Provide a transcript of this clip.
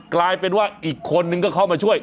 กลายเป็นว่าอีกคนนึงก็เข้ามาช่วย